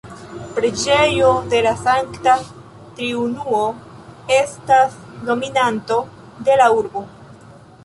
Preĝejo de la Sankta Triunuo estas dominanto de la urbo.